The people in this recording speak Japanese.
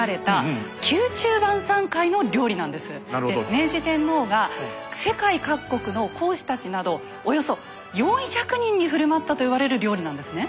で明治天皇が世界各国の公使たちなどおよそ４００人に振る舞ったと言われる料理なんですね。